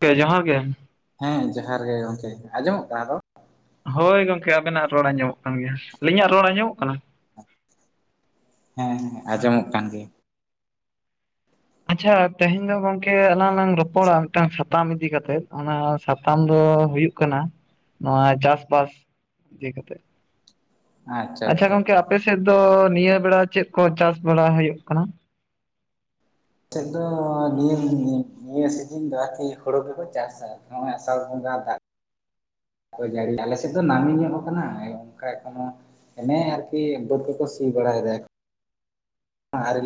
ᱠᱮ ᱡᱟᱦᱟᱨ ᱜᱮ ᱦᱮᱸ ᱡᱚᱦᱟᱨ ᱜᱮ ᱜᱚᱢᱠᱮ ᱟᱸᱡᱚᱢᱚᱜ ᱠᱟᱱᱟ ᱛᱚ? ᱦᱚᱭ ᱜᱚᱢᱠᱮ ᱟᱵᱮᱱᱟᱜ ᱨᱚᱲ ᱟᱸᱡᱚᱢᱚᱜ ᱠᱟᱱ ᱜᱮᱭᱟ ᱟᱹᱞᱤᱧᱟᱜ ᱨᱚᱲ ᱟᱸᱡᱚᱢᱚᱜ ᱠᱟᱱᱟ? ᱦᱮᱸ ᱦᱮᱸ ᱟᱸᱡᱚᱢᱚᱜ ᱠᱟᱱ ᱜᱮᱭᱟ ᱟᱪᱪᱷᱟ ᱛᱮᱦᱮᱧ ᱫᱚ ᱜᱚᱝᱠᱮ ᱟᱞᱟᱝ ᱞᱟᱝ ᱨᱚᱯᱚᱲᱟ ᱢᱤᱫᱴᱟᱝ ᱥᱟᱛᱟᱢ ᱤᱫᱤ ᱠᱟᱛᱮ ᱚᱱᱟ ᱥᱟᱛᱟᱢ ᱫᱚ ᱦᱩᱭᱩᱜ ᱠᱟᱱᱟ ᱠᱟᱱᱟ ᱱᱚᱶᱟ ᱪᱟᱥ-ᱵᱟᱥ ᱤᱫᱤ ᱠᱟᱛᱮ ᱟᱪᱪᱷᱟ ᱜᱚᱝᱠᱮ ᱟᱯᱮᱥᱮᱫ ᱫᱚ ᱱᱤᱭᱟᱹ ᱵᱮᱲᱟ ᱪᱮᱫ ᱠᱚ ᱪᱟᱥ ᱵᱟᱲᱟ ᱦᱩᱭᱩᱜ ᱠᱟᱱᱟ? [unintelligible] ᱱᱤᱭᱟᱹ ᱥᱤᱡᱤᱱ ᱫᱚ ᱟᱨᱠᱤ ᱦᱚᱲᱚ ᱜᱮᱠᱚ ᱪᱟᱥᱟ ᱱᱚᱜᱼᱚᱭ ᱟᱥᱟᱲ ᱵᱚᱸᱜᱟ ᱫᱟᱜ ᱟᱫᱚ ᱡᱟᱹᱲᱤ ᱟᱞᱮ ᱥᱮᱫ ᱫᱚ ᱱᱟᱹᱢᱤ ᱧᱚᱜ ᱟᱠᱟᱱᱟ ᱚᱱᱠᱟ ᱡᱮᱢᱚᱱ ᱦᱚᱱᱮ ᱟᱨᱠᱤ ᱵᱟᱹᱫᱽ ᱠᱚᱠᱚ ᱥᱤ ᱵᱟᱲᱟᱭᱮᱫᱟ ᱟᱨ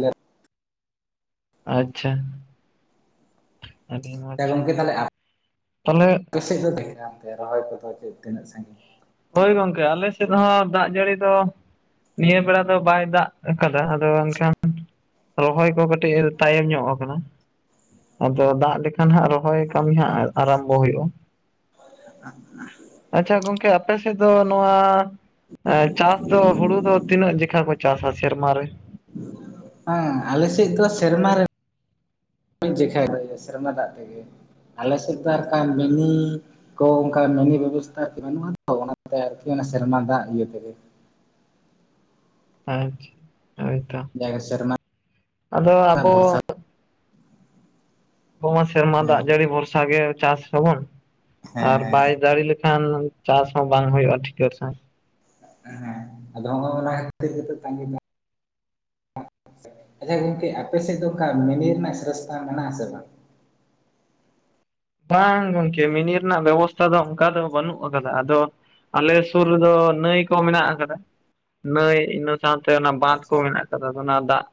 ᱟᱪᱪᱷᱟ ᱟᱹᱰᱤ ᱢᱚᱸᱡᱽ ᱜᱚᱝᱠᱮ ᱛᱟᱦᱞᱮ ᱟᱯ... ᱛᱟᱦᱚᱞᱮ ᱥᱮᱫ ᱫᱚ ᱛᱟᱦᱟᱞᱮ ᱨᱚᱦᱚᱭ ᱠᱚᱫᱚ ᱛᱤᱱᱟᱹᱜ ᱥᱟᱺᱜᱤᱧ ᱦᱚᱭ ᱜᱚᱝᱠᱮ ᱟᱞᱮ ᱥᱮᱫ ᱦᱚᱸ ᱫᱟᱜ ᱡᱟᱹᱲᱤ ᱫᱚ ᱱᱤᱭᱟᱹ ᱵᱮᱲᱟ ᱫᱚ ᱵᱟᱭ ᱫᱟᱜ ᱟᱠᱟᱫᱟ ᱟᱫᱚ ᱮᱱᱠᱷᱟᱱ ᱨᱚᱦᱚᱭ ᱠᱚ ᱠᱟᱹᱴᱤᱡ ᱛᱟᱭᱚᱢ ᱧᱚᱜ ᱟᱠᱟᱱᱟ ᱟᱫᱚ ᱫᱟᱜ ᱞᱮᱠᱷᱟᱱ ᱦᱟᱸᱜ ᱨᱚᱦᱚᱭ ᱠᱟᱹᱢᱤ ᱦᱟᱸᱜ ᱟᱨᱟᱢᱵᱚ ᱦᱩᱭᱩᱜᱼᱟ [inaudible] ᱟᱪᱪᱷᱟ ᱜᱚᱝᱠᱮ ᱟᱯᱮ ᱥᱮᱫ ᱫᱚ ᱱᱚᱶᱟ ᱪᱟᱥ ᱫᱚ ᱦᱩᱲᱩ ᱫᱚ ᱛᱤᱱᱟᱹᱜ ᱡᱮᱠᱷᱟ ᱠᱚ ᱪᱟᱥ-ᱟ ᱥᱮᱨᱢᱟ ᱨᱮ? ᱦᱮᱸ ᱟᱞᱮ ᱥᱮᱫ ᱫᱚ ᱥᱮᱨᱢᱟ ᱨᱮ ᱢᱤᱫ ᱡᱮᱠᱷᱟ ᱜᱤ ᱥᱮᱨᱢᱟ ᱫᱟᱜ ᱛᱮᱜᱮ ᱟᱞᱮ ᱥᱮᱫ ᱫᱚ ᱟᱨ ᱢᱤᱱᱤ ᱠᱚ ᱚᱱᱠᱟ ᱢᱤᱱᱤ ᱵᱮᱵᱚᱥᱛᱟ ᱠᱚ ᱵᱟᱹᱱᱩᱜᱼᱟ ᱛᱚ ᱚᱱᱟᱛᱮ ᱟᱨᱠᱤ ᱥᱮᱨᱢᱟ ᱫᱟᱜ ᱤᱭᱟᱹ ᱛᱮᱜᱮ ᱟᱪᱪᱷᱟ ᱦᱳᱭᱛᱚ ᱡᱟᱜᱮ ᱥᱮᱨᱢᱟ ᱟᱫᱚ ᱫᱟᱜ ᱟᱵᱚ ᱵᱷᱚᱨᱥᱟ ᱟᱵᱚ ᱢᱟ ᱥᱮᱨᱢᱟ ᱫᱟᱜ ᱦᱮᱸ ᱡᱟᱹᱲᱤ ᱵᱷᱚᱨᱥᱟ ᱜᱮ ᱪᱟᱥ ᱟᱵᱚᱱ ᱟᱨ ᱦᱮᱸ ᱵᱟᱭ ᱡᱟᱲᱤ ᱞᱮᱠᱷᱟᱱ ᱪᱟᱥ ᱦᱚᱸ ᱵᱟᱝ ᱦᱩᱭᱩᱜᱼᱟ ᱴᱷᱤᱠᱟ ᱛᱮ ᱦᱮᱸ ᱟᱫᱚ ᱱᱚᱸᱜᱼᱱᱟ ᱠᱷᱟᱹᱛᱤᱨ ᱜᱮᱛᱚ ᱛᱟᱸᱜᱤ ᱟᱪᱪᱷᱟ ᱜᱚᱝᱠᱮ ᱟᱯᱮ ᱥᱮᱫ ᱫᱚ ᱚᱱᱠᱟ ᱢᱤᱱᱤ ᱨᱮᱱᱟᱜ ᱥᱨᱚᱥᱛᱟ ᱢᱮᱱᱟᱜ ᱟᱥᱮ ᱵᱟᱝ ᱵᱟᱝ ᱜᱚᱝᱠᱮ ᱢᱤᱱᱤ ᱨᱮᱱᱟᱜ ᱵᱮᱵᱚᱥᱛᱷᱟ ᱫᱚ ᱚᱱᱠᱟ ᱫᱚ ᱵᱟᱹᱱᱩᱜ ᱟᱠᱟᱫᱟ ᱟᱫᱚ ᱟᱞᱮ ᱥᱩᱨ ᱨᱮᱫᱚ ᱱᱟᱹᱭ ᱠᱚ ᱢᱮᱱᱟᱜ ᱟᱠᱟᱫᱟ ᱱᱟᱹᱭ ᱱᱟᱹ ᱥᱟᱶᱛᱮ ᱚᱱᱟ ᱵᱟᱸᱫᱷ ᱠᱚ ᱟᱪᱪᱷᱟ ᱢᱮᱱᱟᱜ ᱠᱟᱫᱟ ᱚᱱᱟ ᱫᱟᱜ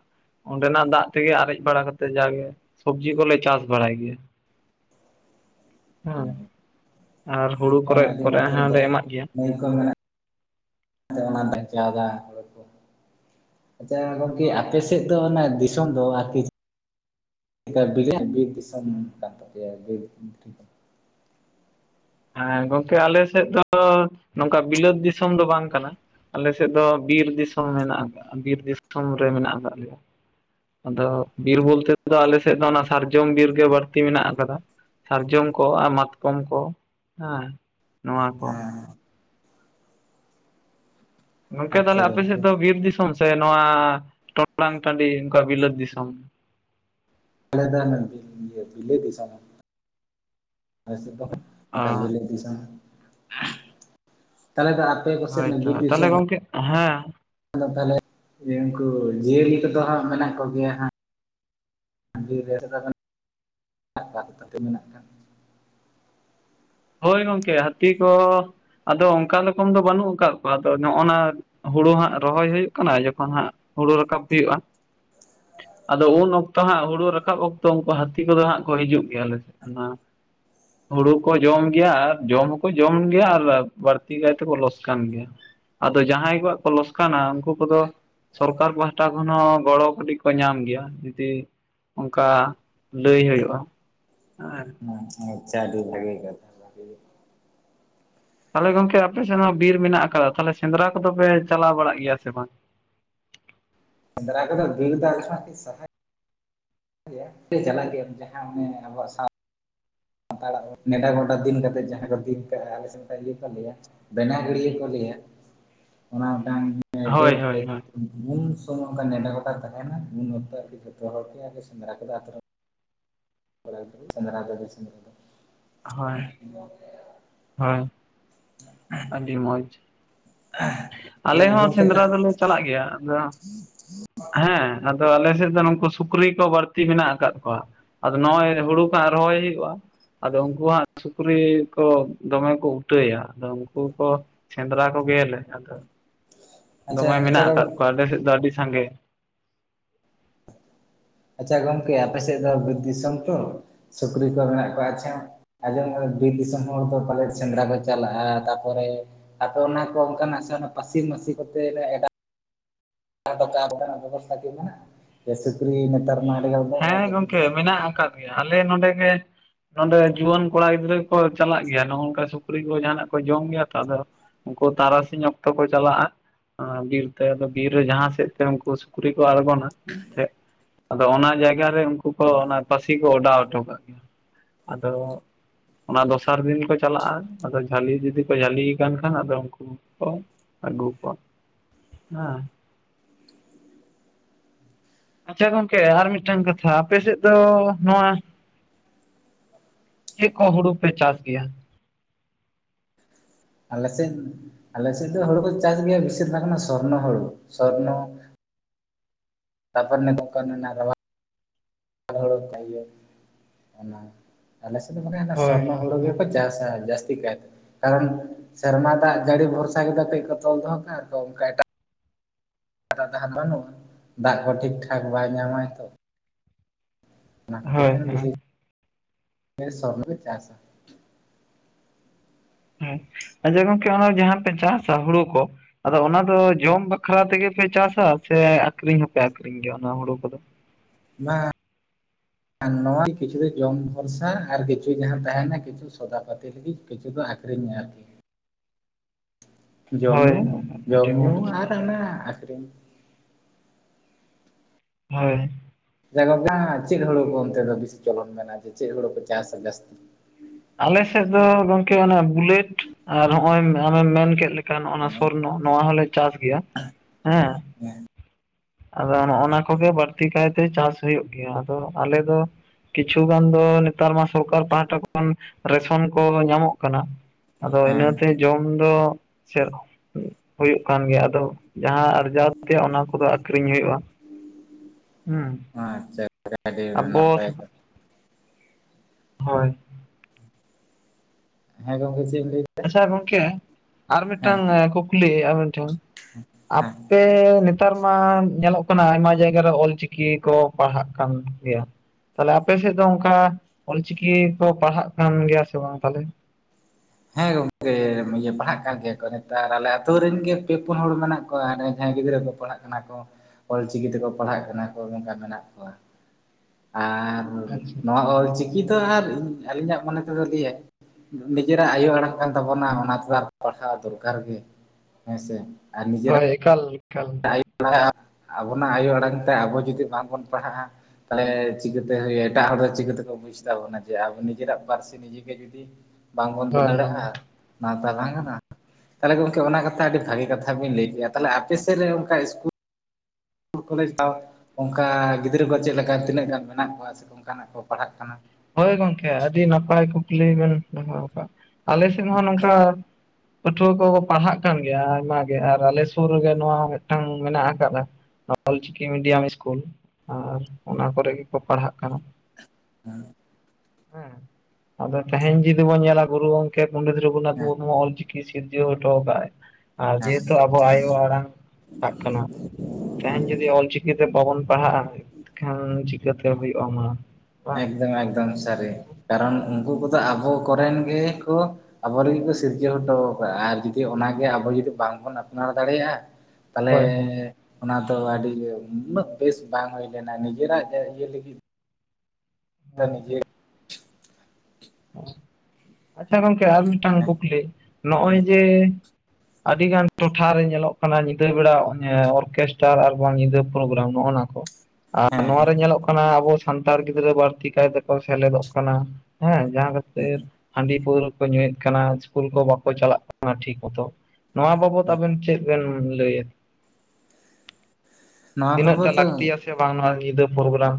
ᱚᱸᱰᱮᱱᱟᱜ ᱫᱟᱜ ᱛᱮᱜᱮ ᱟᱨᱮᱡ ᱵᱟᱲᱟ ᱠᱟᱛᱮᱫ ᱡᱟᱜᱮ ᱥᱚᱵᱽᱡᱤ ᱠᱚᱞᱮ ᱪᱟᱥ ᱵᱟᱲᱟᱭ ᱜᱮᱭᱟ ᱦᱮᱸ ᱟᱨ ᱦᱩᱲᱩ ᱵᱟᱝ ᱠᱚᱨᱮ ᱟᱹᱰᱤ ᱠᱚᱨᱮ ᱢᱚᱡᱽ [unintelligible] ᱦᱚᱸᱞᱮ ᱮᱢᱟᱜ ᱜᱮᱭᱟ [unintelligible] ᱟᱪᱪᱷᱟ ᱜᱚᱢᱠᱮ ᱦᱳᱭ ᱟᱯᱮ ᱥᱮᱫ ᱫᱚ ᱚᱱᱟ ᱫᱤᱥᱚᱢ ᱫᱚ ᱟᱨᱠᱤ ᱵᱤᱹᱞᱟᱛ ᱵᱤᱨ ᱫᱤᱥᱚᱢ ᱠᱟᱱ ᱛᱟᱯᱮᱭᱟ ᱦᱮᱸ ᱜᱚᱝᱠᱮ ᱟᱞᱮ ᱥᱮᱫ ᱫᱚ ᱱᱚᱝᱠᱟ ᱵᱤᱞᱟᱹᱛ ᱫᱤᱥᱚᱢ ᱫᱚ ᱵᱟᱝ ᱠᱟᱱᱟ ᱟᱞᱮ ᱥᱮᱫ ᱫᱚ ᱵᱤᱨ ᱫᱤᱥᱚᱢ ᱢᱮᱱᱟᱜ ᱟᱠᱟᱜᱼᱟ ᱵᱤᱨ ᱫᱤᱥᱚᱢ ᱨᱮ ᱢᱮᱱᱟᱜ ᱟᱠᱟᱫ ᱞᱮᱭᱟ ᱟᱫᱚ ᱵᱤᱨ ᱵᱚᱞᱛᱮᱫᱚ ᱟᱞᱮ ᱥᱮᱫ ᱫᱚ ᱚᱱᱟ ᱥᱟᱨᱡᱚᱢ ᱵᱤᱨ ᱜᱮ ᱵᱟᱹᱲᱛᱤ ᱢᱮᱱᱟᱜ ᱟᱠᱟᱫᱟ ᱥᱟᱨᱡᱚᱢ ᱠᱚ ᱟᱨ ᱢᱟᱛᱠᱚᱢ ᱠᱚ ᱦᱮᱸ ᱱᱚᱣᱟ ᱠᱚ ᱜᱚᱝᱠᱮ ᱟᱪᱪᱷᱟ ᱛᱟᱦᱚᱞᱮ ᱟᱯᱮ ᱥᱮᱫ ᱜᱚᱝᱠᱮ ᱫᱚ ᱵᱤᱨ ᱫᱤᱥᱚᱢ ᱥᱮ ᱱᱚᱣᱟ ᱴᱚᱰᱟᱝ ᱴᱟᱺᱰᱤ ᱱᱚᱝᱠᱟ ᱵᱤᱞᱟᱹᱛ ᱫᱤᱥᱚᱢ ᱟᱞᱮ ᱵᱤᱠᱟ. ᱛ ᱫᱤᱥᱚᱢ ᱫᱚ ᱚ ᱚᱱᱠᱟ ᱜᱮ ᱛᱟᱦᱚᱞᱮ ᱫᱚ ᱠᱚᱥᱮᱫ ᱚᱱᱟ ᱦᱳᱭᱛᱚ ᱵᱤᱨ ᱛᱟᱦᱚᱞᱮ ᱫᱤᱥᱚᱢ ᱠᱷᱟᱱ ᱜᱚᱢᱠᱮ ᱦᱮᱸ ᱫᱚ ᱛᱟᱦᱚᱞᱮ ᱩᱱᱠᱩ ᱡᱤᱭᱟᱹᱞᱤ ᱠᱚᱫᱚ ᱦᱟᱸᱜ ᱢᱮᱱᱟᱜ ᱠᱚᱜᱮᱭᱟ ᱦᱟᱸᱜ [unintelligible] ᱦᱳᱭ ᱜᱚᱝᱠᱮ ᱦᱟᱹᱛᱤ ᱠᱚ ᱟᱫᱚ ᱚᱱᱠᱟ ᱨᱚᱠᱚᱢ ᱫᱚ ᱵᱟᱹᱱᱩᱜ ᱟᱠᱟᱫ ᱠᱚᱣᱟ ᱟᱫᱚ ᱱᱚᱜᱼᱚ ᱱᱟ ᱦᱩᱲᱩ ᱦᱟᱸᱜ ᱨᱚᱦᱚᱭ ᱦᱩᱭᱩᱜ ᱠᱟᱱᱟ ᱡᱚᱠᱷᱚᱱ ᱦᱟᱸᱜ ᱦᱩᱲᱩ ᱨᱟᱠᱟᱵ ᱦᱩᱭᱩᱜᱼᱟ ᱟᱫᱚ ᱩᱱ ᱚᱠᱛᱚ ᱦᱟᱸᱜ ᱦᱩᱲᱩ ᱨᱟᱠᱟᱵ ᱚᱠᱛᱚ ᱩᱱᱠᱩ ᱦᱟᱹᱛᱤ ᱠᱚᱫᱚ ᱦᱟᱸᱜ ᱠᱚ ᱦᱤᱡᱩᱜ ᱜᱮᱭᱟ ᱟᱞᱮ ᱥᱮᱫ ᱚᱱᱟ ᱦᱩᱲᱩ ᱠᱚᱭ ᱡᱚᱢ ᱜᱮᱭᱟ ᱟᱨ ᱡᱚᱢ ᱦᱚᱸᱠᱚ ᱡᱚᱢ ᱜᱮᱭᱟ ᱟᱨ ᱵᱟᱹᱲᱛᱤ ᱠᱟᱭ ᱛᱮᱠᱚ ᱞᱚᱥᱠᱟᱱ ᱜᱮᱭᱟ ᱟᱫᱚ ᱡᱟᱦᱟᱸᱭ ᱠᱚᱣᱟᱜ ᱠᱚ ᱞᱚᱥᱠᱟᱱᱟ ᱩᱱᱠᱩ ᱠᱚᱫᱚ ᱥᱚᱨᱠᱟᱨ ᱯᱟᱦᱴᱟ ᱠᱷᱚᱱ ᱦᱚᱸ ᱜᱚᱲᱚ ᱠᱟᱹᱴᱤᱡ ᱠᱚ ᱧᱟᱢ ᱜᱮᱭᱟ ᱡᱩᱫᱤ ᱚᱱᱠᱟ ᱞᱟᱹᱭ ᱦᱩᱭᱩᱜᱼᱟ ᱦᱮᱸ ᱪᱷᱟ ᱟᱹᱰᱤ ᱵᱷᱟᱹᱜᱮ ᱠᱟᱢᱤ ᱦ [inaudible] ᱛᱟᱦᱞᱮ ᱜᱚᱝᱠᱮ ᱟᱯᱮ ᱥᱮᱫ ᱦᱚᱸ ᱵᱤᱨ ᱢᱮᱱᱟᱜ ᱟᱠᱟᱫᱟ ᱛᱟᱦᱞᱮ ᱥᱮᱸᱫᱽᱨᱟ ᱠᱚᱫᱚ ᱯᱮ ᱪᱟᱞᱟᱣ ᱵᱟᱲᱟᱜ ᱜᱮᱭᱟ ᱥᱮ ᱵᱟᱝ ᱥᱮᱫᱽᱨᱟ ᱠᱚ ᱫᱚ ᱵᱤᱨ ᱥᱟᱦᱟᱭ ᱪᱟᱞᱟᱜ ᱜᱮ ᱡᱟᱦᱟᱸ ᱢᱟᱱᱮ ᱟᱵᱚᱣᱟᱜ ᱥᱟᱶ ᱥᱟᱱᱛᱟᱲ ᱱᱮᱰᱟ ᱜᱷᱚᱴᱟ ᱫᱤᱱ ᱠᱟᱛᱮᱫ ᱡᱟᱦᱟᱸ ᱠᱚ ᱫᱤᱱ ᱠᱟᱜᱼᱟ ᱟᱞᱮ ᱥᱮᱫ ᱤᱭᱟᱹ ᱠᱚ ᱞᱮᱭᱟ ᱵᱮᱱᱟ ᱜᱟᱹᱲᱤᱭᱟᱹ ᱠᱚ ᱞᱟᱹᱭᱟ ᱚᱱᱟ ᱢᱤᱫᱴᱟᱝ ᱦᱳᱭ ᱦᱳᱭ ᱦᱳᱭ ᱩᱱ ᱥᱚᱢᱚᱭ ᱚᱱᱠᱟ ᱱᱮᱰᱮᱰᱟ ᱜᱚᱴᱟ ᱛᱟᱦᱮᱱᱟ ᱩᱱ ᱚᱠᱛᱚ ᱟᱨ ᱡᱚᱛᱚ ᱦᱚᱲ ᱜᱮ ᱥᱮᱸᱫᱽᱨᱟ ᱠᱚᱫᱚ ᱟᱹᱛᱩ ᱥᱮᱱᱫᱨᱟ ᱫᱳᱞᱮ ᱥᱮᱫᱨᱟᱭ ᱦᱳᱭ ᱫᱟ ᱦᱳᱭ [inaudible] ᱟᱹᱰᱤ ᱢᱚᱡᱽ ᱟᱞᱮ ᱟᱪᱪᱷᱟ ᱦᱚᱸ ᱜᱚᱝᱠᱮ ᱥᱮᱸᱫᱽᱨᱟ ᱫᱚᱞᱮ ᱪᱟᱞᱟᱜ ᱜᱮᱭᱟ ᱟᱫᱚ ᱦᱮᱸ ᱟᱫᱚ ᱟᱞᱮ ᱥᱮᱫ ᱫᱚ ᱱᱩᱠᱩ ᱥᱩᱠᱨᱤ ᱠᱚ ᱵᱟᱹᱲᱛᱤ ᱢᱮᱱᱟᱜ ᱟᱠᱟᱫ ᱠᱚᱣᱟ ᱟᱫᱚ ᱱᱚᱜᱼᱚᱭ ᱦᱩᱲᱩ ᱠᱚ ᱦᱟᱸᱜ ᱨᱚᱦᱚᱭ ᱦᱩᱭᱩᱜᱼᱟ ᱟᱫᱚ ᱩᱱᱠᱩ ᱦᱟᱸᱜ ᱥᱩᱠᱨᱤ ᱠᱚ ᱫᱚᱢᱮ ᱠᱚ ᱩᱴᱟᱹᱭᱟ ᱟᱫᱚ ᱩᱱᱠᱩ ᱠᱚ ᱥᱮᱸᱫᱽᱨᱟ ᱠᱚᱜᱮᱭᱟᱞᱮ ᱟᱫᱚ ᱟᱪᱪᱷᱟ ᱫᱚᱢᱮ ᱟᱪᱪᱷᱟ ᱢᱮᱱᱟᱜ ᱜᱚᱝ ᱟᱠᱟᱫ ᱠᱚᱣᱟ ᱟᱞᱮ ᱥᱮᱫ ᱫᱚ ᱟᱹᱰᱤ ᱥᱟᱸᱜᱮ ᱟᱪᱪᱷᱟ ᱜᱚᱢᱠᱮ ᱟᱯᱮ ᱥᱮᱫ ᱫᱚ ᱵᱤᱨ ᱫᱤᱥᱚᱢ ᱛᱚ ᱥᱩᱠᱨᱤ ᱠᱚ ᱢᱮᱱᱟᱜ ᱠᱚᱣᱟ ᱟᱪᱪᱷᱟ ᱟᱡᱚᱢ ᱠᱫᱟ ᱵᱤᱨ ᱫᱤᱥᱚᱢ ᱦᱚᱲ ᱫᱚ ᱯᱟᱞᱮᱫ ᱥᱮᱸᱫᱽᱨᱟ ᱠᱚ ᱪᱟᱞᱟᱜᱼᱟ ᱛᱟᱨᱯᱚᱨᱮ ᱟᱯᱮ ᱚᱱᱟ ᱠᱚ ᱚᱱᱠᱟᱱᱟᱜ ᱥᱮ ᱯᱟᱹᱥᱤ ᱢᱟᱹᱥᱤ ᱠᱚᱛᱮ ᱞᱮ ᱚᱰᱟᱣ [unintelligible] ᱨᱮᱱᱟᱜ ᱵᱮᱵᱚᱥᱛᱷᱟ ᱜᱮ ᱢᱮᱱᱟᱜᱼᱟ ᱥᱩᱠᱨᱤ ᱱᱮᱛᱟᱨ ᱢᱟ ᱟᱹᱰᱤ ᱜᱟᱱ ᱦᱮᱸ ᱵᱤᱨ ᱜᱚᱝᱠᱮ ᱫᱤᱥᱚᱢ ᱢᱮᱱᱟᱜ ᱟᱠᱟᱫ ᱜᱮᱭᱟ ᱟᱞᱮ ᱱᱚᱰᱮ ᱜᱮ ᱱᱚᱸᱰᱮ ᱡᱩᱣᱟᱹᱱ ᱠᱚᱲᱟ ᱜᱤᱫᱽᱨᱟᱹ ᱠᱚ ᱪᱟᱞᱟᱜ ᱜᱮᱭᱟ ᱱᱚᱼᱚᱝᱠᱟ ᱥᱩᱠᱨᱤ ᱠᱚ ᱡᱟᱦᱟᱱᱟᱜ ᱠᱚ ᱡᱚᱢ ᱜᱮᱭᱟ ᱛᱚ ᱟᱫᱚ ᱩᱱᱠᱩ ᱛᱟᱨᱟᱥᱤᱧ ᱚᱠᱛᱚ ᱠᱚ ᱪᱟᱞᱟᱜᱼᱟ ᱵᱤᱨᱛᱮ ᱟᱫᱚ ᱵᱤᱨ ᱨᱮ ᱡᱟᱦᱟᱸ ᱥᱮᱫ ᱛᱮ ᱩᱱᱠᱩ ᱥᱩᱠᱨᱤ ᱠᱚ ᱟᱬᱜᱚᱱᱟ ᱟᱫᱚ ᱚᱱᱟ ᱡᱟᱭᱜᱟ ᱨᱮ ᱩᱱᱠᱩ ᱠᱚ ᱚᱱᱟ ᱯᱟᱹᱥᱤ ᱠᱚ ᱚᱰᱟᱣ ᱦᱚᱴᱚ ᱠᱟᱜ ᱜᱮᱭᱟ ᱟᱫᱚ ᱚᱱᱟ ᱫᱚᱥᱟᱨ ᱫᱤᱱ ᱠᱚ ᱪᱟᱞᱟᱜᱼᱟ ᱟᱫᱚ ᱡᱷᱟᱹᱞᱤ ᱡᱩᱫᱤ ᱠᱚ ᱡᱷᱟᱹᱞᱤ ᱟᱠᱟᱱ ᱠᱷᱟᱱ ᱟᱫᱚ ᱩᱱᱠᱩ ᱩᱱᱠᱩ ᱠᱚ ᱟᱜᱩ ᱠᱚᱣᱟ ᱦᱮᱸ ᱟᱪᱪᱷᱟ ᱜᱚᱝᱠᱮ ᱟᱨ ᱢᱤᱫᱴᱟᱝ ᱠᱟᱛᱷᱟ ᱟᱯᱮᱥᱮᱫ ᱫᱚ ᱱᱚᱣᱟ ᱪᱮᱫ ᱠᱚ ᱦᱩᱲᱩ ᱯᱮ ᱪᱟᱥ ᱜᱮᱭᱟ ᱟᱞᱮᱥᱮᱡ ᱟᱞᱮᱥᱮᱡ ᱫᱚ ᱦᱩᱲᱩ ᱠᱚ ᱪᱟᱥ ᱜᱮᱭᱟ ᱵᱮᱥᱤᱨ ᱵᱟᱷᱟᱠ ᱚᱱᱟ ᱥᱚᱨᱱᱚ ᱦᱩᱲᱩ ᱥᱚᱨᱱᱚ ᱛᱟᱯᱚᱨ ᱫᱚᱝᱠᱟᱱ [unintelligible] ᱚᱱᱟ ᱟᱞᱮ ᱥᱮᱫ ᱫᱚ ᱢᱟᱱᱮ ᱚᱱᱟ ᱦᱳᱭ ᱥᱚᱨᱱᱚ ᱦᱳᱭ ᱦᱩᱲᱩ ᱜᱮᱠᱚ ᱪᱟᱥᱟ ᱡᱟᱹᱥᱛᱤ ᱠᱟᱭᱛᱮ ᱠᱟᱨᱚᱱ ᱥᱮᱨᱢᱟ ᱫᱟᱜ ᱡᱟᱹᱲᱤ ᱵᱷᱚᱨᱥᱟ ᱠᱮᱫᱟ ᱠᱟᱹᱡ ᱠᱚ ᱛᱚᱞ ᱫᱚᱦᱚ ᱠᱟᱜ ᱟᱨ ᱚᱱᱠᱟ ᱮᱴᱟᱜ ᱫᱟᱜ ᱫᱚ ᱵᱟᱹᱱᱩᱜᱼᱟ ᱫᱟᱜ ᱠᱚ ᱴᱷᱤᱠ ᱴᱷᱟᱠ ᱵᱟᱭ ᱧᱟᱢᱟ ᱛᱚ ᱚᱱᱟ ᱠᱷᱟᱹᱛᱤᱨ ᱦᱳᱭ ᱛᱮ ᱦᱳᱭ ᱵᱮᱥᱤ [unintelligible] ᱥᱚᱨᱱᱚ ᱠᱚ ᱪᱟᱥᱟ ᱦᱮᱸ ᱟᱪᱪᱷᱟ ᱜᱚᱝᱠᱮ ᱚᱱᱟ ᱡᱟᱦᱟ ᱨᱮ ᱯᱮ ᱪᱟᱥᱟ ᱦᱩᱲᱩ ᱠᱚ ᱟᱫᱚ ᱚᱱᱟ ᱫᱚ ᱡᱚᱢ ᱵᱟᱠᱷᱨᱟ ᱛᱮᱜᱮᱯᱮ ᱪᱟᱥᱟ ᱥᱮ ᱟᱠᱷᱨᱤᱧ ᱦᱚᱸᱯᱮ ᱟᱠᱷᱨᱤᱧ ᱜᱮᱭᱟ ᱚᱱᱟ ᱦᱩᱲᱩ ᱠᱚᱫᱚ ᱵᱟᱝ [unintelligible] ᱱᱚᱣᱟ ᱠᱤᱪᱷᱩ ᱫᱚ ᱡᱚᱢ ᱵᱷᱚᱨᱥᱟ ᱟᱨ ᱠᱤᱪᱷᱩ ᱡᱟᱦᱟ ᱛᱟᱦᱮᱱᱟ ᱠᱤᱪᱷᱩ ᱥᱚᱫᱟᱯᱟᱹᱛᱤ ᱞᱟᱹᱜᱤᱫ ᱠᱤᱪᱷᱩ ᱫᱚ ᱟᱠᱷᱨᱤᱧᱟ ᱟᱨᱠᱤ ᱡᱚᱢ ᱦᱳᱭ ᱧᱩ ᱦᱳᱭ ᱡᱚᱢ ᱟᱹᱰᱤ ᱧᱩ ᱢᱚᱸᱡᱽ ᱟᱨ ᱚᱱᱮ ᱟᱠᱠᱷᱨᱤᱧ ᱦᱳᱭ [unintelligible] ᱪᱮᱫ ᱦᱩᱲᱩ ᱠᱚ ᱚᱱᱛᱮ ᱫᱚ ᱵᱤᱥᱤ ᱪᱚᱞᱚᱱ ᱢᱮᱱᱟᱜᱼᱟ ᱡᱮ ᱪᱮᱫ ᱦᱩᱲᱩ ᱠᱚ ᱪᱟᱥᱟ ᱡᱟᱹᱥᱛᱤ ᱟᱞᱮ ᱥᱮᱫ ᱫᱚ ᱜᱚᱢᱠᱮ ᱚᱱᱟ ᱵᱩᱞᱮᱴ ᱟᱨ ᱦᱚᱸᱜᱼᱚᱭ ᱟᱢᱮᱢ ᱢᱮᱱ ᱠᱮᱫ ᱞᱮᱠᱟ ᱱᱚᱜᱼᱚ ᱱᱟ ᱥᱚᱨᱱᱚ ᱱᱚᱣᱟ ᱦᱚᱞᱮ ᱪᱟᱥ ᱜᱮᱭᱟ ᱦᱮᱸ [unintelligible] ᱟᱫᱚ ᱱᱚᱜᱼᱚ ᱱᱟ ᱠᱚᱜᱮ ᱵᱟᱹᱲᱛᱤ ᱠᱟᱭᱛᱮ ᱪᱟᱥ ᱦᱩᱭᱩᱜ ᱜᱮᱭᱟ ᱟᱫᱚ ᱟᱞᱮ ᱫᱚ ᱠᱤᱪᱷᱩ ᱜᱟᱱ ᱫᱚ ᱱᱮᱛᱟᱨ ᱢᱟ ᱥᱚᱨᱠᱟᱨ ᱯᱟᱦᱴᱟ ᱠᱷᱚᱱ ᱨᱮᱥᱚᱱ ᱠᱚ ᱧᱟᱢᱚᱜ ᱠᱟᱱᱟ ᱟᱫᱚ ᱤᱱᱟᱹ ᱦᱮᱸ ᱛᱮ ᱡᱚᱢ ᱫᱚ ᱥᱮᱨᱚᱠᱚᱢ ᱦᱩᱭᱩᱜ ᱠᱟᱱ ᱜᱮᱭᱟ ᱟᱫᱚ ᱡᱟᱦᱟᱸ ᱟᱨᱡᱟᱣ ᱛᱮᱭᱟᱜ ᱚᱱᱟ ᱠᱚ ᱫᱚ ᱟᱠᱷᱨᱤᱧ ᱦᱩᱭᱩᱜᱼᱟ ᱦᱩᱸ ᱪᱷᱟ ᱟᱪᱪᱷᱟ ᱟᱸᱰᱤ ᱟᱵᱚ ᱱᱟᱯᱟᱭ ᱠᱟᱛᱷᱟ ᱦᱳᱭ ᱦᱮᱸ ᱜᱚᱢᱠ ᱪᱮᱫ ᱮᱢ ᱞᱟᱹᱭᱮᱫᱟ ᱟᱪᱪᱷᱟ ᱜᱚᱝᱠᱮ ᱟᱨ ᱢᱤᱫᱴᱟᱝ ᱠᱩᱠᱞᱤ ᱟᱵᱤᱱ ᱴᱷᱮᱱ [inaudible] ᱟᱯᱮ ᱱᱮᱛᱟᱨ ᱢᱟ ᱧᱮᱞᱚᱜ ᱠᱟᱱᱟ ᱟᱭᱢᱟ ᱡᱟᱭᱜᱟ ᱨᱮ ᱚᱞᱪᱤᱠᱤ ᱠᱚ ᱯᱟᱲᱦᱟᱜ ᱠᱟᱱ ᱜᱮᱭᱟ ᱛᱟᱦᱚᱞᱮ ᱟᱯᱮ ᱥᱮᱫ ᱫᱚ ᱚᱱᱠᱟ ᱚᱞᱪᱤᱠᱤ ᱠᱚ ᱯᱟᱲᱦᱟᱜ ᱠᱟᱱ ᱜᱮᱭᱟ ᱥᱮ ᱵᱟᱝ ᱛᱟᱦᱚᱞᱮ ᱦᱮᱸ ᱜᱚᱝᱠᱮ ᱤᱭᱟᱹ ᱯᱟᱲᱦᱟᱜ ᱠᱟᱱ ᱜᱮᱭᱟ ᱠᱚ ᱱᱮᱛᱟᱨ ᱟᱞᱮ ᱟᱹᱛᱩ ᱨᱮᱱ ᱜᱮ ᱯᱮ ᱯᱩᱱ ᱦᱚᱲ ᱢᱮᱱᱟᱜ ᱠᱚᱣᱟ ᱡᱟᱦᱟᱸᱭ ᱜᱤᱫᱽᱨᱟᱹ ᱠᱚ ᱯᱟᱲᱦᱟᱜ ᱠᱟᱱᱟ ᱠᱚ ᱚᱞᱪᱤᱠᱤ ᱛᱮᱠᱚ ᱯᱟᱲᱦᱟᱜ ᱠᱟᱱᱟ ᱠᱚ ᱱᱚᱝᱠᱟ ᱢᱮᱱᱟᱜ ᱠᱚᱣᱟ ᱟᱨ ᱟᱣᱨᱤ ᱟᱪᱪᱷᱟ ᱱᱚᱣᱟ ᱚᱞ ᱪᱤᱠ ᱧᱤᱛᱚᱜ ᱟᱨ ᱟᱹᱞᱤᱧᱟᱜ ᱢᱚᱱᱮ ᱛᱮ ᱫᱚ ᱞᱟᱹᱭᱟᱭ ᱱᱤᱡᱮᱨᱟᱜ ᱟᱭᱳ ᱟᱲᱟᱝ ᱠᱟᱱ ᱛᱟᱵᱚᱱᱟ ᱚᱱᱟ [unintelligible] ᱯᱟᱲᱦᱟᱣ ᱫᱚᱨᱠᱟᱨ ᱜᱮ ᱦᱮᱸᱥᱮ ᱟᱞᱤ ᱦᱮᱸ ᱮᱠᱟᱞ ᱮᱠᱟᱞ ᱟᱭᱳ [unintelligible] ᱟᱵᱚᱱᱟᱜ ᱟᱭᱳ ᱟᱲᱟᱝ ᱛᱮ ᱟᱵᱚ ᱡᱩᱫᱤ ᱵᱟᱝ ᱵᱚᱱ ᱯᱟᱲᱦᱟᱜᱼᱟ ᱛᱟᱦᱚᱞᱮ ᱪᱤᱠᱟᱹᱛᱮ ᱦᱩᱭᱩᱜᱼᱟ ᱮᱴᱟᱜ ᱦᱚᱲ ᱫᱚ ᱪᱤᱠᱟᱹ ᱛᱮ ᱠᱚ ᱵᱩᱡ ᱛᱟᱵᱚᱱᱟ ᱡᱮ ᱟᱵᱚ ᱱᱤᱡᱮᱨᱟᱜ ᱯᱟᱹᱨᱥᱤ ᱱᱤᱡᱮ ᱜᱮ ᱡᱩᱫᱤ ᱵᱟᱝᱵᱚᱱ ᱦᱳᱭ ᱦᱳᱭ ᱫᱩᱞᱟᱹᱲᱟᱜᱼᱟ ᱚᱱᱟ [unintelligible] ᱵᱟᱝ ᱜᱟᱱᱚᱜ-ᱟ ᱛᱟᱦᱚᱞᱮ ᱜᱚᱢᱠᱮ ᱚᱱᱟ ᱠᱟᱛᱷᱟ ᱟᱹᱰᱤ ᱵᱷᱟᱹᱜᱤ ᱠᱟᱛᱷᱟ ᱵᱤᱱ ᱞᱟᱹᱭ ᱠᱮᱜᱼᱟ ᱛᱟᱦᱚᱞᱮ ᱟᱯᱮ ᱥᱮᱡᱽ ᱨᱮ ᱚᱱᱠᱟ ᱤᱥᱩᱞ ᱤᱥᱠᱩᱞ ᱠᱚᱞᱮᱡᱽ ᱫᱚ ᱚᱱᱠᱟ ᱜᱤᱫᱽᱨᱟᱹ ᱠᱚ ᱪᱮᱫ ᱞᱮᱠᱟ ᱛᱤᱱᱟᱹᱜ ᱜᱟᱱ ᱢᱮᱱᱟᱜ ᱠᱚᱣᱟ ᱥᱮ ᱚᱱᱠᱟᱱᱟᱜ ᱠᱚ ᱯᱟᱲᱦᱟᱜ ᱠᱟᱱᱟ ᱦᱳᱭ ᱜᱚᱢᱠᱮ ᱟᱹᱰᱤ ᱱᱟᱯᱟᱭ ᱠᱩᱠᱞᱤ ᱵᱮᱱ ᱫᱚᱦᱚᱣ ᱠᱟᱜ ᱟᱞᱮ ᱥᱮᱫ ᱦᱚᱸ ᱱᱚᱝᱠᱟ ᱯᱟᱹᱴᱷᱩᱣᱟᱹ ᱠᱚ ᱯᱟᱲᱦᱟᱜ ᱠᱟᱱ ᱜᱮᱭᱟ ᱟᱭᱢᱟ ᱜᱮ ᱟᱨ ᱟᱞᱮ ᱥᱩᱨ ᱨᱮ ᱜᱮ ᱱᱚᱣᱟ ᱢᱤᱫᱴᱟᱝ ᱢᱮᱱᱟᱜ ᱟᱠᱟᱫᱟ ᱚᱞᱪᱤᱠᱤ ᱢᱤᱰᱤᱭᱟᱢ ᱥᱠᱩᱞ ᱟᱨ ᱚᱱᱟ ᱠᱚᱨᱮ ᱜᱮᱠᱚ ᱯᱟᱲᱦᱟᱜ ᱠᱟᱱᱟ ᱦᱮᱸ ᱦᱮᱸ ᱟᱫᱚ ᱛᱮᱦᱮᱧ ᱡᱩᱫᱤ ᱵᱚᱱ ᱧᱮᱞᱟ ᱜᱩᱨᱩ ᱜᱚᱝᱠᱮ ᱯᱚᱱᱰᱤᱛ ᱨᱚᱜᱷᱩᱱᱟᱛᱷ ᱦᱮᱸ ᱢᱩᱨᱢᱩ ᱣᱟᱜ ᱚᱞ ᱪᱤᱠᱤ ᱪᱤᱠᱤ ᱥᱤᱨᱡᱟᱹᱣ ᱦᱚᱴᱚ ᱠᱟᱜ-ᱟᱭ ᱟᱨ ᱦᱮᱸ ᱡᱮᱦᱮᱛᱩ ᱟᱵᱚ ᱟᱭᱳ ᱟᱲᱟᱝ ᱟᱜ ᱠᱟᱱᱟ ᱛᱮᱦᱤᱧ ᱡᱩᱫᱤ ᱚᱞ ᱪᱤᱠᱤ ᱛᱮ ᱵᱟᱵᱚᱱ ᱯᱟᱲᱦᱟᱜᱼᱟ ᱮᱱ ᱠᱷᱟᱱ ᱪᱤᱠᱟᱹ ᱛᱮ ᱦᱩᱭᱩᱜᱼᱟ ᱚᱱᱟ ᱮᱠᱫᱚᱢ ᱮᱠᱫᱚᱢ ᱥᱟᱹᱨᱤ ᱠᱟᱨᱚᱱ ᱩᱱᱠᱩ ᱠᱚᱫᱚ ᱟᱵᱚ ᱠᱚᱨᱮᱱ ᱜᱮ ᱠᱚ ᱟᱵᱚ ᱨᱮᱱ ᱜᱮ ᱠᱚ ᱥᱤᱨᱡᱟᱹᱣ ᱦᱚᱴᱚ ᱠᱟᱜᱼᱟ ᱟᱨ ᱡᱩᱫᱤ ᱚᱱᱟ ᱜᱮ ᱟᱵᱚ ᱡᱩᱫᱤ ᱵᱟᱝ ᱵᱚᱱ ᱟᱯᱱᱟᱨ ᱫᱟᱲᱮᱭᱟᱜᱼᱟ ᱛᱟᱦᱚᱞᱮ ᱦᱳᱭ ᱦᱳᱭ ᱚᱱᱟ ᱫᱚ ᱟᱹᱰᱤ ᱩᱱᱟᱹᱜ ᱵᱮᱥ ᱵᱟᱝ ᱦᱩᱭ ᱞᱮᱱᱟ ᱱᱤᱡᱮᱨᱟᱜ ᱤᱭᱟᱹ ᱞᱟᱹᱜᱤᱫ ᱫᱚ ᱦᱳᱭ ᱱᱤᱡᱮ ᱦᱳᱭ ᱟᱪᱪᱷᱟ ᱜᱚᱝᱠᱮ ᱟᱨ ᱢᱤᱫᱴᱟᱝ ᱦᱮᱸ ᱠᱩᱠᱞᱤ ᱱᱚᱜᱼᱚᱭ ᱦᱮᱸ ᱡᱮ ᱟᱹᱰᱤ ᱜᱟᱱ ᱴᱚᱴᱷᱟ ᱨᱮ ᱧᱮᱞᱚᱜ ᱠᱟᱱᱟ ᱧᱤᱫᱟᱹ ᱵᱮᱲᱟ ᱚᱨᱠᱮᱥᱴᱟᱨ ᱟᱨ ᱵᱟᱝ ᱧᱤᱫᱟᱹ ᱯᱨᱳᱜᱨᱟᱢ ᱱᱚᱜᱼᱚ ᱱᱚᱣᱟ ᱠᱚ ᱟᱨ ᱦᱮᱸ ᱱᱚᱣᱟ ᱨᱮ ᱧᱮᱞᱚᱜ ᱠᱟᱱᱟ ᱟᱵᱚ ᱥᱟᱱᱛᱟᱲ ᱜᱤᱫᱽᱨᱟᱹ ᱵᱟᱹᱲᱛᱤ ᱠᱟᱭ ᱛᱮᱠᱚ ᱥᱮᱞᱮᱫᱚᱜ ᱠᱟᱱᱟ ᱦᱮᱸ ᱡᱟᱦᱟᱸ ᱠᱷᱟᱹᱛᱤᱨ ᱦᱟᱺᱰᱤ ᱯᱟᱹᱣᱨᱟᱹ ᱠᱚ ᱧᱩᱭᱮᱫ ᱠᱟᱱᱟ ᱤᱥᱠᱩᱞ ᱠᱚ ᱵᱟᱠᱚ ᱪᱟᱞᱟᱜ ᱠᱟᱱᱟ ᱴᱷᱤᱠ ᱢᱚᱛᱚ ᱱᱚᱣᱟ ᱵᱟᱵᱚᱫ ᱦᱮᱸ ᱟᱵᱮᱱ ᱪᱮᱫ ᱵᱮᱱ ᱞᱟᱹᱭᱟ ᱱᱚᱣᱟ ᱛᱤᱱᱟᱹᱜ ᱴᱟ ᱵᱟᱵᱚᱫ ᱫᱚ ᱞᱟᱹᱠᱛᱤᱭᱟ ᱥᱮ ᱵᱟᱝ ᱧᱤᱫᱟᱹ ᱯᱨᱳᱜᱨᱟᱢ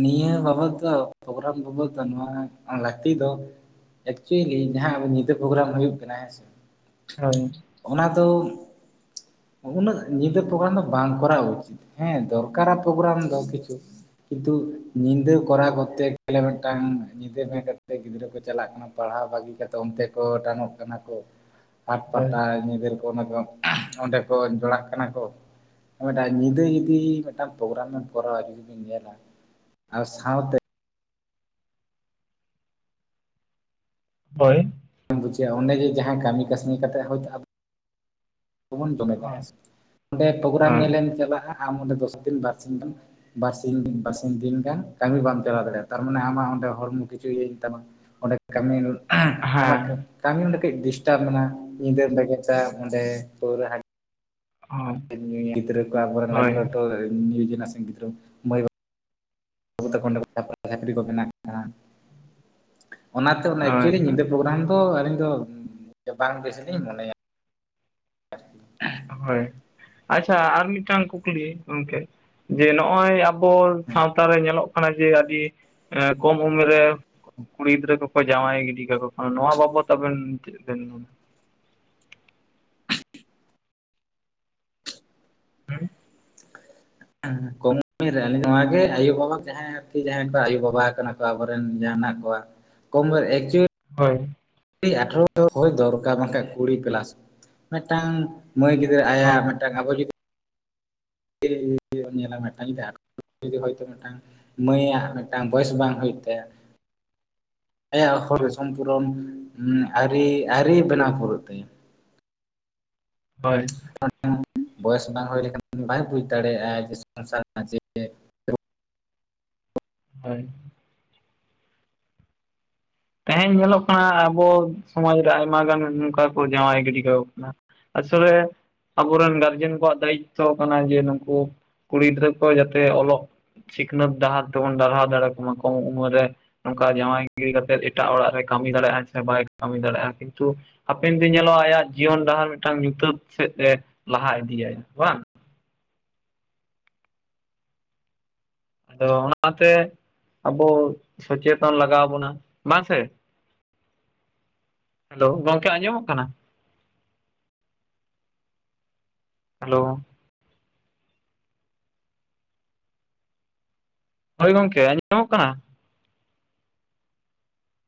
ᱱᱤᱭᱟᱹ ᱵᱟᱵᱚᱫ ᱫᱚ ᱯᱨᱜᱨᱟᱢ ᱵᱟᱵᱚᱫ ᱫᱚ ᱱᱚᱣᱟ ᱞᱟᱹᱠᱛᱤ ᱫᱚ ᱮᱠᱪᱩᱭᱮᱞᱤ ᱡᱟᱦᱟᱸ ᱟᱵᱚ ᱧᱤᱫᱟᱹ ᱯᱨᱳᱜᱨᱟᱢ ᱦᱩᱭᱩᱜ ᱠᱟᱱᱟ ᱦᱮᱸ ᱥᱮ [unintelligible] ᱚᱱᱟ ᱫᱚ ᱩᱱᱟᱹᱜ ᱧᱤᱫᱟᱹ ᱯᱨᱳᱜᱨᱟᱢ ᱫᱚ ᱵᱟᱝ ᱠᱚᱨᱟᱣ ᱩᱪᱤᱛ ᱦᱮᱸ ᱫᱚᱨᱠᱟᱨᱟ ᱯᱨᱳᱜᱨᱟᱢ ᱫᱚ ᱠᱤᱪᱷᱩ ᱠᱤᱱᱛᱩ ᱧᱤᱫᱟᱹ ᱠᱚᱨᱟᱣ ᱠᱚᱨᱛᱮ ᱜᱮᱞᱮ ᱢᱤᱫᱴᱟᱝ ᱧᱤᱫᱟᱹ ᱵᱮᱜᱮᱫ ᱠᱟᱛᱮ ᱜᱤᱫᱽᱨᱟᱹ ᱠᱚ ᱪᱟᱞᱟᱜ ᱠᱟᱱᱟ ᱯᱟᱲᱦᱟᱣ ᱵᱟᱹᱜᱤ ᱠᱟᱛᱮ ᱚᱱᱛᱮ ᱠᱚ ᱴᱟᱱᱚᱜ ᱠᱟᱱᱟ ᱠᱚ ᱦᱟᱴ ᱯᱟᱴᱟ ᱧᱤᱫᱟᱹ ᱚᱱᱟ ᱠᱚ ᱚᱸᱰᱮ ᱠᱚ ᱡᱚᱲᱟᱜ ᱠᱟᱱᱟ ᱠᱚ ᱚᱱᱟ ᱴᱟᱜ ᱧᱤᱫᱟᱹ ᱡᱩᱫᱤ ᱢᱤᱫᱴᱟᱝ ᱯᱨᱳᱜᱨᱟᱢ ᱵᱮᱱ ᱠᱚᱨᱟᱣᱟ ᱡᱩᱫᱤ ᱵᱮᱤᱱ ᱧᱮᱞᱟ ᱟᱨ ᱥᱟᱶᱛᱮ ᱦᱳᱭ ᱵᱟᱢ ᱵᱩᱡᱷᱟᱹᱜᱼᱟ ᱚᱱᱮ ᱡᱮ ᱡᱟᱦᱟᱸᱭ ᱠᱟᱹᱢᱤ ᱠᱟᱹᱥᱱᱤ ᱠᱟᱛᱮ ᱦᱚᱭᱛᱚ ᱵᱚᱱ ᱡᱚᱢᱮᱫᱟ ᱦᱮᱸᱥᱮ ᱚᱸᱰᱮ ᱯᱨᱳᱜᱨᱟᱢ ᱧᱮᱞᱮᱢ ᱪᱟᱞᱟᱜᱼᱟ ᱟᱢ ᱚᱰᱮ ᱫᱚᱥ ᱫᱤᱱ ᱵᱟᱨ ᱥᱤᱧ ᱟᱢ ᱵᱟᱨᱥᱤᱧ ᱵᱟᱨᱥᱤᱧ ᱫᱤᱱ ᱜᱟᱱ ᱠᱟᱹᱢᱤ ᱵᱟᱢ ᱪᱟᱞᱟᱣ ᱫᱟᱲᱮᱭᱟᱜᱼᱟ ᱛᱟᱨᱢᱟᱱᱮ ᱟᱢᱟᱜ ᱚᱸᱰᱮ ᱦᱚᱲᱢᱚ ᱠᱤᱪᱷᱩ ᱤᱭᱟᱡ ᱦᱩᱭᱩᱜ ᱛᱟᱢᱟ ᱚᱸᱰᱮ ᱠᱟᱹᱢᱤ [unintelligible] ᱦᱳᱭ ᱟᱢᱟ ᱦᱳᱭ ᱠᱟᱹᱢᱤ ᱚᱰᱮ ᱠᱟᱹᱡ ᱰᱤᱥᱴᱟᱵ ᱮᱱᱟ ᱧᱤᱫᱟᱹ ᱵᱮᱜᱮᱫᱟ ᱚᱸᱰᱮ ᱯᱟᱹᱣᱨᱟᱹ ᱦᱟᱰᱤ ᱦᱳᱭ ᱦᱮᱸ [unintelligible] ᱜᱤᱫᱽᱨᱟᱹ ᱠᱚ ᱚᱵᱚᱨᱮᱱ ᱦᱳᱭ ᱞᱟᱹᱴᱩᱞᱟᱹᱴᱩ [unintelligible] ᱡᱮᱱᱟᱨᱮᱥᱚᱱ ᱜᱤᱫᱽᱨᱟᱹ ᱠᱚ ᱢᱟᱹᱭᱵᱟᱵᱩ [unintelligible] ᱪᱟᱹᱠᱨᱤ ᱠᱚ ᱢᱮᱱᱟᱜ ᱠᱟᱱᱟ ᱚᱱᱟᱛᱮ ᱚᱱᱟ ᱦᱳᱭ ᱮᱠᱪᱩᱭᱮᱞᱤ ᱦᱳᱭ ᱧᱤᱫᱟᱹ ᱯᱨᱳᱜᱨᱟᱢ ᱫᱚ ᱟᱹᱞᱤᱧ ᱫᱚ ᱵᱟᱝ ᱵᱮᱥᱞᱤᱧ ᱢᱚᱱᱮᱭᱟ [inaudible] ᱦᱳᱭ ᱟᱪᱪᱷᱟ ᱟᱨ ᱢᱤᱫᱴᱟᱝ ᱠᱩᱠᱞᱤ ᱜᱚᱢᱠᱮ ᱡᱮ ᱱᱚᱜᱼᱚᱭ ᱟᱵᱚ ᱟᱵᱚ ᱥᱟᱶᱛᱟ ᱨᱮ ᱧᱮᱞᱚᱜ ᱠᱟᱱᱟ ᱡᱮ ᱟᱹᱰᱤ ᱠᱚᱢ ᱩᱢᱮᱨ ᱨᱮ ᱠᱩᱲᱤ ᱜᱤᱫᱽᱨᱟᱹ ᱠᱚ ᱚᱠᱚᱭ ᱡᱟᱶᱟᱭ ᱜᱤᱰᱤ ᱠᱟᱠᱚ ᱠᱟᱱᱟ ᱱᱚᱣᱟ ᱵᱟᱵᱚᱛ ᱟᱵᱮᱱ ᱪᱮᱫ ᱵᱮᱱ ᱦᱮᱸ ᱠᱚᱢ ᱩᱢᱮᱨ ᱨᱮ ᱱᱚᱣᱟ ᱜᱮ ᱟᱭᱳ ᱵᱟᱵᱟ ᱡᱟᱦᱟᱸᱭ ᱟᱨᱠᱤ ᱡᱟᱦᱟᱸᱭ ᱠᱚ ᱟᱭᱳᱵᱟᱵᱟ ᱠᱟᱱᱟ ᱠᱚ ᱟᱵᱚ ᱨᱮᱱ ᱡᱟᱦᱟᱸ ᱦᱮᱱᱟᱜ ᱠᱚᱣᱟᱪ [unintelligible] ᱦᱳᱭ ᱠᱤ ᱟᱴᱚᱨᱚ ᱫᱚ ᱦᱩᱭ ᱫᱚᱨᱠᱟᱨ ᱵᱟᱝᱠᱟᱱᱡ ᱠᱩᱲᱤ ᱯᱞᱟᱥ ᱢᱤᱫᱴᱟᱝ ᱢᱟᱹᱭ ᱜᱤᱫᱽᱨᱟᱹ ᱦᱳᱭ ᱟᱭᱟᱜ ᱢᱤᱫ [unintelligible] ᱟᱵᱚ ᱡᱩᱫᱤ [unintelligible] ᱢᱤᱫᱴᱟᱝ ᱢᱟᱹᱭ ᱟᱜ ᱢᱤᱫᱴᱟᱝ ᱵᱚᱭᱮᱥ ᱵᱟᱝ ᱦᱩᱭᱩᱜ ᱛᱟᱭᱟ ᱟᱭᱟᱜ ᱦᱚᱲ ᱦᱳᱭ ᱥᱚᱢᱯᱩᱨᱚᱱ ᱟᱹᱨᱤ ᱟᱹᱨᱤ ᱵᱮᱱᱟᱣ ᱯᱩᱨᱟᱹᱜ ᱛᱟᱭᱟ ᱦᱳᱭ ᱵᱚᱭᱮᱥ ᱵᱟᱝ ᱦᱩᱭ ᱞᱮᱠᱷᱟᱱ ᱵᱟᱭ ᱵᱩᱡᱽ ᱫᱟᱲᱮᱭᱟᱜᱼᱟ ᱥᱚᱝᱥᱟᱨ ᱨᱮᱱᱟᱜ ᱪᱮᱫ [unintelligible] ᱦᱳᱭ ᱛᱮᱦᱮᱧ ᱧᱮᱞᱚᱜ ᱠᱟᱱᱟ ᱟᱵᱚ ᱥᱚᱢᱟᱡᱽ ᱨᱮ ᱟᱭᱢᱟ ᱜᱟᱱ ᱱᱚᱝᱠᱟ ᱠᱚ ᱡᱟᱶᱟᱭ ᱜᱤᱰᱤ ᱠᱟᱠᱚ ᱠᱟᱱᱟ ᱟᱥᱚᱞᱮ ᱟᱵᱚᱨᱮᱱ ᱜᱟᱨᱡᱮᱱ ᱠᱚᱣᱟᱜ ᱫᱟᱭᱤᱛᱛᱚ ᱠᱟᱱᱟ ᱡᱮ ᱱᱩᱠᱩ ᱠᱩᱲᱤ ᱜᱤᱫᱽᱨᱟᱹ ᱠᱚ ᱡᱟᱛᱮ ᱚᱞᱚᱜ ᱥᱤᱠᱷᱱᱟᱹᱛ ᱰᱟᱦᱟᱨ ᱛᱮᱵᱚᱱ ᱰᱟᱨᱦᱟᱣ ᱫᱟᱲᱮ ᱟᱠᱟ ᱠᱚᱢ ᱩᱢᱟᱹᱨ ᱨᱮ ᱱᱚᱝᱠᱟ ᱡᱟᱶᱟᱭ ᱜᱤᱰᱤ ᱠᱟᱛᱮᱫ ᱮᱴᱟᱜ ᱚᱲᱟᱜ ᱨᱮ ᱠᱟᱹᱢᱤ ᱫᱟᱲᱮᱭᱟᱜᱼᱟ ᱥᱮ ᱵᱟᱭ ᱠᱟᱹᱢᱤ ᱫᱟᱲᱮᱭᱟᱜᱼᱟ ᱠᱤᱱᱛᱩ ᱦᱟᱯᱮᱱ ᱫᱤᱱ ᱧᱮᱞᱚᱜ ᱟᱭᱟᱜ ᱡᱤᱭᱚᱱ ᱰᱟᱦᱟᱨ ᱢᱤᱫᱴᱟᱝ ᱧᱩᱛᱟᱹᱛ ᱥᱮᱫ ᱮ ᱞᱟᱦᱟ ᱤᱫᱤᱭᱟᱭ ᱵᱟᱝ ᱟᱫᱚ ᱚᱱᱟᱛᱮ ᱟᱵᱚ ᱥᱚᱪᱮᱛᱚᱱ ᱞᱟᱜᱟᱣ ᱵᱚᱱᱟ ᱵᱟᱝ ᱥᱮ ᱦᱮᱞᱳ ᱜᱚᱝᱠᱮ ᱟᱸᱡᱚᱢᱚᱜ ᱠᱟᱱᱟ ᱦᱮᱞᱳ ᱦᱳᱭ ᱜᱚᱝᱠᱮ ᱟᱸᱡᱚᱢᱚᱜ ᱠᱟᱱᱟ